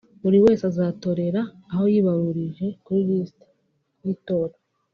buri wese azatorera aho yibaruje kuri lisiti y’itora